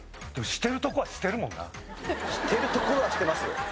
してるところはしてますよ。